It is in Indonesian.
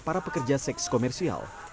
para pekerja seks komersial